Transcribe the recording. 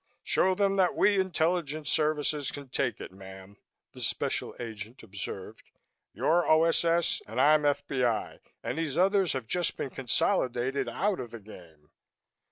"Show them that we intelligence services can take it ma'am," the Special Agent observed. "You're O.S.S. and I'm F.B.I. and these others have just been consolidated out of the game."